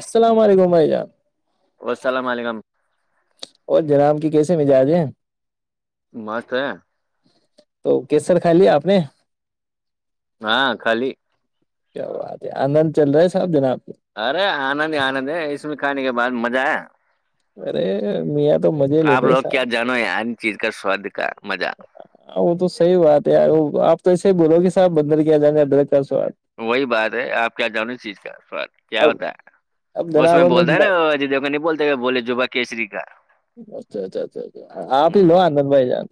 السلام علیکم ع جان السلام علیکم اور جناام کی کیسے مزاج ہیں مست ہے تو کیسر کائی لیا آپ نے ہاں خالی کیاات ہے آن چل رہا ہے سب دن آپ ارے آنند ہی آنند ہے اس میں کھانے کے بعد مزہ آ ہے ارے میا تو مزے آپ لیتے لوگ سب کیا جانو یار ان چیز کا سواد کا مزہ وہ تو سحی بات ہے آپ تو بولو کہ صاب بندر کیا جائے گا ڈائریکٹ وہی بات ہے آپ کیا جانو اس چیز کا سواد کیا اب ہوتا ہے اب اس دنا بائی بولتا ہے میں نا اجے دیو کا نہیں بولتے بولے جبا کیسری کا اچھا اچھا اچھا آپ ہی لو ہوں آدن بائی جان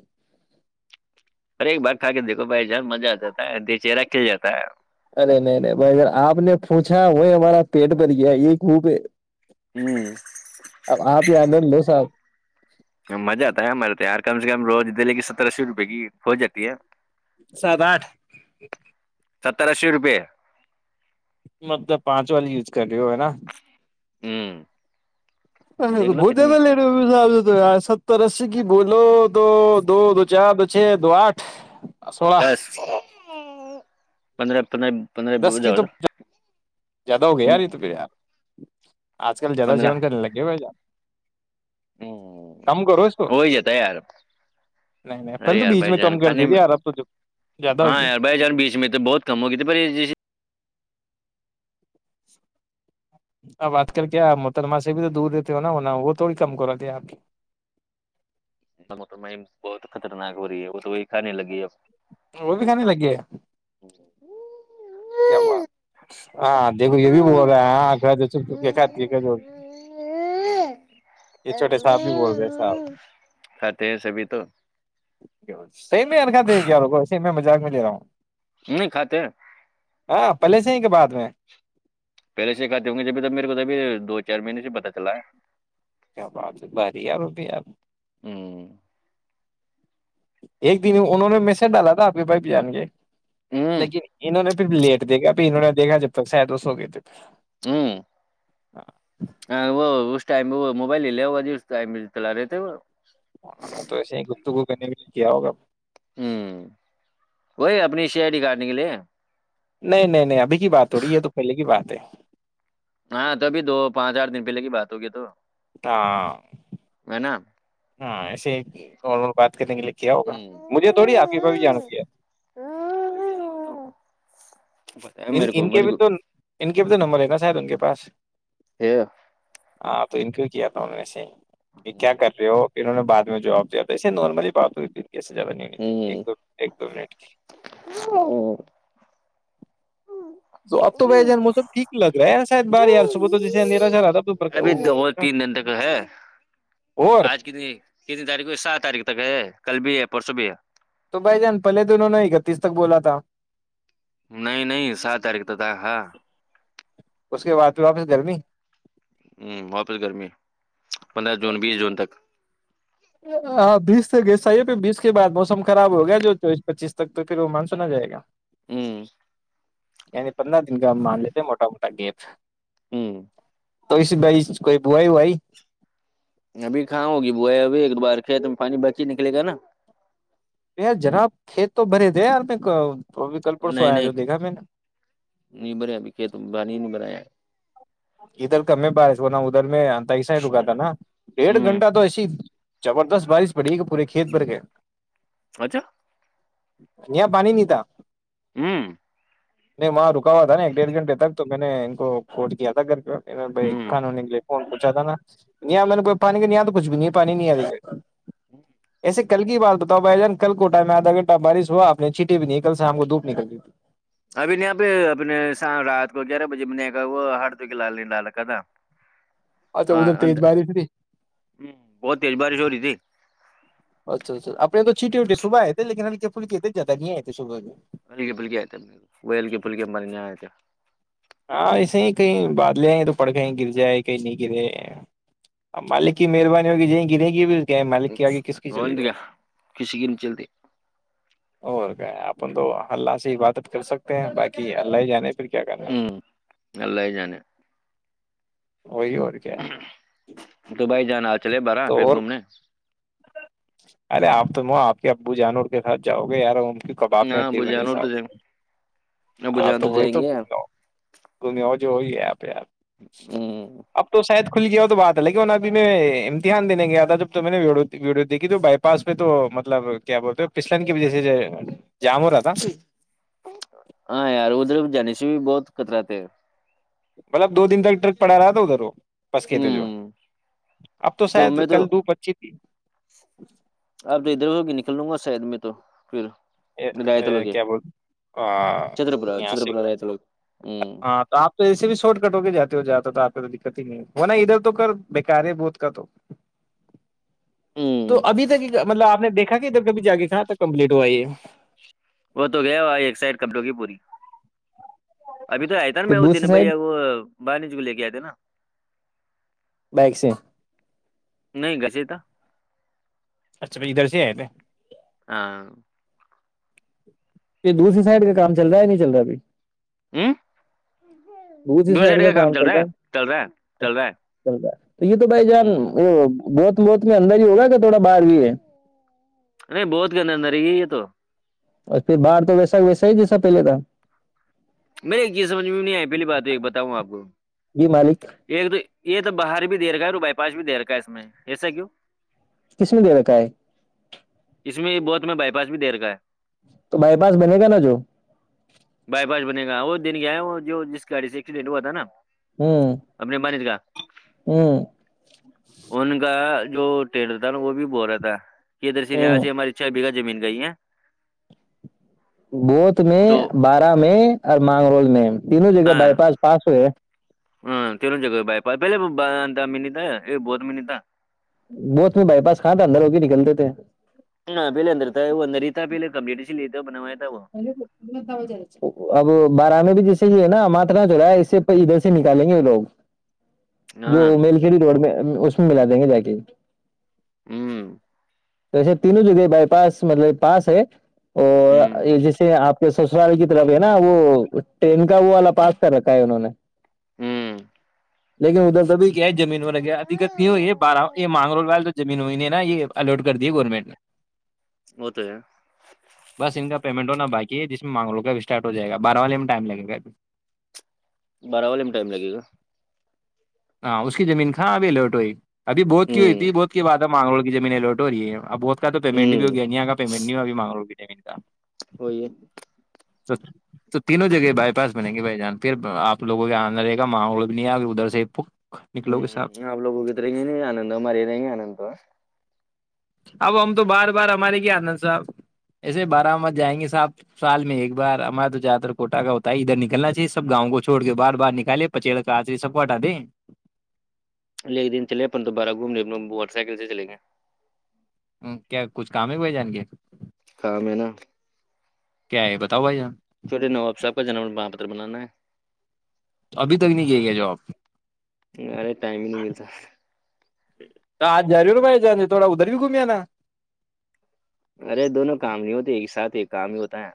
ار ایک باگ کھ کے دیکھو بھائی ج مزہ آ جتا ہے د چہرہ کھل جاتا ہے ارے نہیں نہیںے بھائیار آپ نے پوچھا وہ ہمارا پیٹ بھر گیا یہ خوب ہ اب آپ ہی آنے ل ساب مزہ آتا ہے ہمارے تو یار کم سے کم روز دے لےی ستر اسی روپیے کی ہو جاتی ہے سات آٹھ سترہ سو روپے مطلب پانچ والی نا ہ دیکھ لو بتے کتنی تو لی ستر اسی کی ب ل دو دو دو چار چھ دو آٹھ سولہ دس پندرہ اپنے پندرہ دس بجا کی ہو تو زیادہ ہو گیا ہوں یار تو پھر یار آج کل زیاد پندرہ سیون کرنے لگے ہوئے جا ہ کرو اس کو ہو ہی جاتتا ہے یار نہیں نہیں ارے پہلے تو یار بیچ بھائی میں کم جان کر کھانے دی تھی میں یار اب تو جو- زیادہ ہاں ہوگی یار بھائی جان بیچ میں تو بہت کم ہوگی تھی پر جیسے اب آج کل کیا محترمہ سے بھی تو دور دیتے ہو نا ہونا وہ تھوڑی کم کراتی ہے آپ کی م بہت خطرناک ہو رہی ہے وہ تو وہی کھانے لگی اب وہ بھی کھانے لگے ہے کیا بات ہاں دیکھو یہ بھی بول رہا ہے ہ گھر چپ چپ کیا ک یہ چھوٹے صاحب بھی بول رہے صاحب کھاتے ہیں سبھی تو صحیحکھاہ د کیا لوگ کو ایے میں مذاق میں لے رہا ہوں نہیں خاطر پلے سے ہی کے بعد میں پہلے سے کہاتتے ہوں گے جبھی تب میرے کو تبھی دو چار مہینے سے پت چلا ہے کیا بات ہے باری ار اب ار ہے ایک دن انہوں نے میسج ڈالا تھا آپ کے بھائی بھی جان کے ہ لیکن انہوں نے پھر لیٹ دے گا پھر انہوں نےیکھا جب تک شاید اسو گئے تھے ہوں ہاں ہاں وہ اس ٹائم وہ موبائل ل لے ہو اس ٹائملا رہتے وہ ہاں تو ایسے ہی گفتگو کرنے کےے کیا ہوگا ہ نہیںے نہیں نہیں نہیں ابھی بات ہو رہی ہے یہ تو پہلے کی بات تے ہاں تو ابھی دو پانچ آٹھ دن پہلے کی بات ہو گئی تو ہ ہے نا ہاں ایسے نارمل بات کرنے کے لیے کیا ہوگا مجھے تھوڑی آپ ہی پ بھی جان ہ گ ہے بتایا ان میرے کو ان کے میرے بھی کو تو ان کے بھی تو ن مریں شاید ان کے پاس ہی ہاں تو ان کیوں کیا تھا ان میں سے ہی یہ کیا کر رہے ہو پھر انہوں نے بع میں جاب دیا تھا ایسے نارملی بات ہوئی تھی گسے جا ن ا ت ایک دو ایک دو منٹ کی ہوں موسم ٹھیک لگ رہا ہے شاید بار یار صبح تو جیسے اندھیرا سا رہا تھا تو برق- ابھی دو وہ- تین دن تک ہے اور آج کتنی کتنی تاریخ سات تاریخ تک ہے کل بھی ہے پرسوں بھی ہے تو بھائی جان پہلے دونوں نے اکتیس تک بولا تھا نہیں نہیں سات تاریخ تو تھا ہاں اس کے بعد واپس گرمی ہ واپس گرمی پندرہ جون بیس جون تک ہ بیس تکسای ہے پھر بیس کے بعد موسم خراب ہو گیا جو چویس پچیس تک تو پھر وہ مان سنا جائے گا ہوں پندر دن کا مان لیتے ہیں موٹ موا تکیت ہوں تو اس بھائی کوئی بووائی وائی ابھی کاں ہوگی بوئے ابھی ایک ابار توم پانی بچ ہی نکلے گا نا یار جناب کھیت تو بنے تھے یار میں ابھی کل پرسوں نہیں آیا نہیں جو دیکھا میں نے نہیں بھر ابھی کھیت میں بانی نہیں بھریا ادھر کا میں بارش بنا ادھر میںس ہی رکا نا ڈیڑھ ہے گھنٹہ تو ایسی جبردست بارش پڑی کہ پورے کھیت بھر گئے اچھا نیا پانی ن تھا ہوں نہیں وہاں رکا ہوا تھا نا ایک ڈیھنٹے تک تو میں نے ان کوٹ کیا تھا دگرر کے ا بھائی ہوں کانوون لی کون پوچھا تھا نا نہیں میں پانی کے نہیں تو کچھ بھی نہیں پانی نہیںیا ہوں ایے کل کی بات بتاؤ بھائی جان کل کو ٹائم میں آھا گھٹہ بارش ہوا آ نے چھینٹٹی بھی نہیں کل سےام کو دوپ نکل دی تھی ابھی نہیں پ اپنےام رات کو گیارہ بجے میں نےا وہ ہر تو کے لال نہیں ڈال رکھا تھا اچھا ہاں ادھر ہ تیز بارش تھی بہت تیز بارش ہو رہی تھی اچھا اچھا اپپ تو چھٹٹی وٹے صبحئے تھ لیکنلکے پھکیتےے زیاہ نہیں آ تھے صبح ول کے پلک کے آئے تھے وہل کے پھلکے ہمارے نہیں آئے تھ ہاں ایسے ہی کہیں بادلے آئیں تو پڑ گیں گر جائے کہیں نہیں گرے ا مالک کی مہربانی ہوگی جیں گرے گی کیا مالک کے آگے کس ر کی چلی د بھائی کا خش گ ن چلتی اور کیا آپ تو اللہ سے ہی باتت کر سکتے ہیں باقی اللہ ہی جانے پھر کیا کر رہا نلہ ے وہی اور کیا ہے دبئی جانا چلے بارہ تو پھر اور گھومنے ارے آپ تم آپ کے ابو جانور کے ساتھ جاؤ گے یار کی کب آاب نے ہاں ہڈے ابو بنے جان اور تو جائیں صاحب گے ابو ہاں جان تو وہی جائیں تو گے گ گ جوئی ہے آپ پ آپ ہ اب تو شاید کھل گیا ہو تو بات ہے لیکن ابھی میں امتحان دینے گیا تھا جب تو میں نے وڑ ویڈیو دیکھی تو بائی پاس پہ تو مطلب کیا بولتے ہو پچلن کی وجہ سے جام ہو رہا تھا ہاں یار ادھر بھی جانی کش بھی بہت کترات مطلب دو دن تک ٹرک پڑا رہا تھا ادھر وہ بس کے تھے جو ہ اب تو شاید میں تو کل دھوپ اچھی تھی کل لوں گا شاید میں تو پھر رایت لوگ کیا بول چترپورہ یہ س چترپورہ رایت لوگ ہ ہاں تو آپ تو ایے بھی شارٹ کٹ ہو کے جاتے جاتا تو آپ کو تو دقت ہی نہیں وہ نا ادھر تو کر بیکار ہے بہت کا تو تو ہ ابھی تک مطلب آپ نے دیکھا دھا کہ ادھر کبھی جا کے کہا تھا کمپلیٹ ہوا یہ وہ تو گیا ہو ایک سائڈ کپڑوں کی پوری ابھی تو آیا تھا نا میں وہ دن دوسری سائڈ بھائییا وہ باہر نیچ کو لے کے آئے تھ نا بائک سے نہیں گسے تھا اچھا بھائی ادھر سے آئے تھے ہاں یہ دوسری سائڈ کا کام چل رہا یا نہیں چل رہا ابھی ہ ب دو سائڈ کا کام چل رہا کرتا ہے چل رہا ہے چل رہا ہے چلتا ہے تو یہ تو بھائی جان ہ وہ بہت بہت میں اندر ہی ہوگا کہ تھوڑا باہر بھی ہے نہیں بہت کے اندر اندر ہے یہ یہ تو اور پھر باہر تو ویسا ویسا ہی جیسا پہلے کا میں ایک یہز سمجھ میں نہیں آئے پہلی بات ایک بتاؤں آپ کو جی مالک ایک تو یہ تو باہر بھی دےیر کا ہے اور بائی پاس بھی دےیر کا ہے اس میں ایسا کیوں کس نے دے رتا ہے اس میں یہ بہت میں بائی پاس بھی دےیر کاا ہے تو بائی پاس بنے گا نا جو ا بنے گا وہ دن گیا ہے وہ جو جس گاڑی سے ایکسیڈینٹ ہوا تھا نا ہوں اپنے مانیت کا ہوں ان کا جو ٹل رہ تھا نا وہ بھی بو رہتا یہ درن یہاں ہوں سے ہماری چھ بگا زمین گ ہے بوت میں تو بارہ میں اور مانگرول میں تینوں جگہ ہاں بائی پاس پس ہوئے ہاں پلوں جگ بھائی پہلے م تھا بہت م تھا وہت میں بائی پاس کہاں تھا اندر ہو کے نکلتے تھے ہاں پہلیےدر تھا ہے وہ ا انرتا پہ کمپ ل ب اب بارہ میں بھی جس یہ ہے نا ماتت نہ چ رہا ہے اس سے ادھر سے نکالیں گے وہ لوگ جو ہاں میلکھڑ روڈ میں اس میں ملا دیں گے جا کے ہوں توسے تینوں اد بائ پاس مطل پس ہے اور ہوں جیسے آپ جو سسرال کی طرف ہے نا وہ ٹرین کا وہ والا پاس کر رکھا ہے انوں نے ہوں لیکن ادھر سے بھی کیا ہے زمین و گیادکقت نہیں ہوئی ہے بارہ یہ مانگ رول والل تو زمین ہوئی نہیں نہ یہ الوٹ کر دییا گورنمنٹ نے ہو تو ہے بس ان کا پیمنٹ ہونا باقی ہے جس میں مانگ لو کا ا اسٹارٹ ہو جائے گا بارہ والے میں ٹائم لگے گا ابھی باراو لم ائم لگے گ ہاں اس کی زمین کاں ابھی الرٹ ہوئی ابھی بت کی ہوئی ہوں تھی بہت بعد مگوک کی جیین لوٹ ویہب اس کا تو پیمن بھی ہوں ہویا ہے یہاں کا پیمٹ نہیں ہو ا مگاوی جین کا ہوئی ہے تو تو تینوں جگہ بائی پاس بنیں گے بھائی جان پھر آپ لوگوں کےاں آنا رہے گا ماحوول بھی نہیں آ ادھر سے پ ہوں آپ لوگ اگت رہیں گے نہیں آنند مار ہی رہیں گے آنند تو اب ہم تو بار بار ہمارے کیا آند صاحب ایسے بارہمد جائیں گے صاحب سال میں ایک بار ہمارے تو زیادہ تر کوٹہ کا ہوتا ہے ادھر نکلنا چاہیے سب گاؤں کو چھوڑ کے بار بار نکالے پچیڑ کا آچری سب کو ہٹا دیں ایک دن چلے اپن دوبارہ گھومنےے اپ لوگ موٹر سائیکل سے چلیں گئے کیا کچھ کام ہے بھائی جان کے کا میں ہے نا کیا ہے بتاؤ بھائی جان چھوٹے نواب صاحب کا جنم پرا پتر بنانا ہے ابھی تک نہیں کیے گیا جاب ارے ٹائم ہی نہیں ملتا آج جا رہی ن بھائی جان تھوڑا ادھر بھی گھوم آناا ارے دونوں کام نہیں ہوتے ایک ساتھ ایک کام ہی ہوتا ہے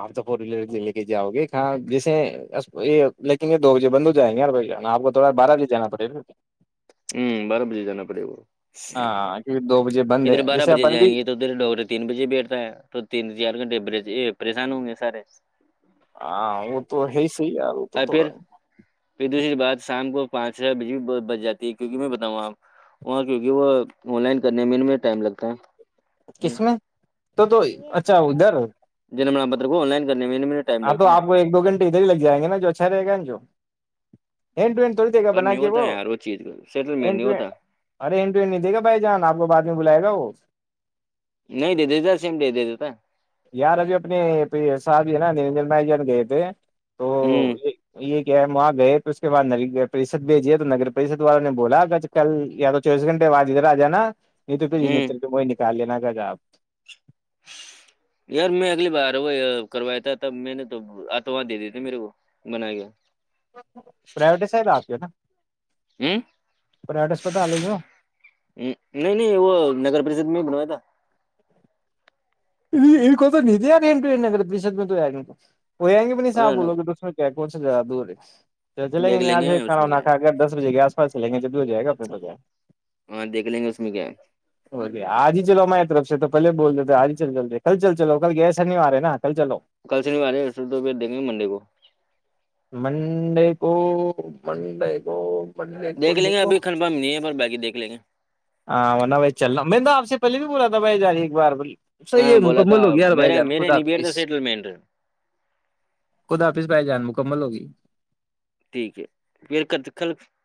آپ تو فور ویلر لے کے جاؤ گے ہاں جیسے یہ لیکن یہ دو بجے بند ہو جائیں گے یار بھ آپ کو تھوڑا بارہ بجے جانا پڑے گا ہ بارہ بجے جانا پڑے ب ہاں کیونکہ دو بجے بند ادھر ہے بارہ جیسے بجے اپن جائیں بھی گے تو ادھر ڈاکٹر تین بجے بیٹھتا ہے تو تین چار گھنٹےھ یہ پریشان ہوں گے سارے ہاں وہ تو ہے صح ہی ہے وہ تو اور تھوڑا پھر پھر دوسری بات شام کو پانچ ہزار ب بھی بچ جات کیکہ میں بتاؤںا آپ وہاں کیکہ وہ آن لائن کرنے میں ان ٹائم لگتا ہے کس میں تو تو اچھا ادھر کونائن کا ہاں تو آپ کو ایک دو گھٹے ادھر ہی لگ جائیں گ نا جو اچھا رہے گا جو ہینڈ ٹ ہینڈ تھوڑی ہے دے گا پر بنا نہیں کے ہوتا وہ ہے یار چیز سیٹلمنٹ ہینڈ نہیں اینڈ ہوتا ارے ہینڈ ٹو اینڈ نہیں دے گا بھائی جان آپ کو بعد میں بلائے گا وہ نہیں دے دیتا سیم دے دے دیتا یار ابھی اپنی سا بھی ہے نا نجر نائی جان گئے تھے تو ہوں یہ یہ کیا ہم وہاں گئے تو اس کے بعد ن پریشد بھیجے تو نگر پریشد والوں نے بولا کل یا تو چوبیس گھٹ بعد ادھر آ جانا نہیں تو بھیی ہوں متر وہ نکال لینا ج آپ یار میں اگلی بار وہ کروایا تھا تب میں نے تو آتواں دے دیے تھے میرے کو بنا کے پرائیویٹ ہے شاید آپ کے نا ہ پرائیویٹ اسپتال ہے نہیں نہیں وہ نگر پریشد میں ہی بنوایا تھا کوت ند ارنٹوگا بشد م تو ار گنٹو ہو جائیں گ بھی نہیں صح تھا بولو کہ تو اس میں کیا پہنچ جاا دورے چ چلے دیکھ گن لیں آج ہی گے اس میں کھانا کیا ہے کا کر دس بجے گیس پرسلیں گے جب بھی ہو جائے گا اپنے ہو جائے ہاں دیکھ لیں گے اس میں کیا ہے وہلیے آج ہی چلو م یاترق سے تو پہے بول دیتے تھےج چل چل رہ کل چل چل کل گیسا نہیں آ رہے نا کل چلو کل سے نہیں آ رہے اس تو پھر دیکھیں گے منڈے کو منڈے کو منڈے کو دیکھ لیں گے دیکو ابھی کنفرم نہیں ہے پر باقی دیکھ لیں گے ہاں بھائی چلنا میں آپ سے پہلی بھی پورا دبائی ج رہی ایک بار پ سح ہاں یہ بولا تھا مکمل ہو گیا یار بھائی میرے جان میرے خدا نیبئر دا حافظ سیٹلمنٹ خدا حافظ بھائی جان لگی [inaudible] ٹھیک ہے پھر ک کل